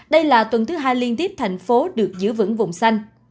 đây là tuần thứ hai liên tiếp thành phố được giữ vững vùng xanh